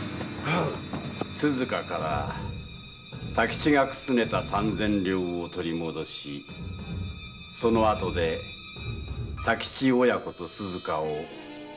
鈴華から佐吉がくすねた三千両を取り戻しそのあとで佐吉親子と鈴華を消します。